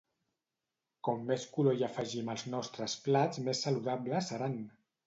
Com més color hi afegim als nostres plats més saludables seran!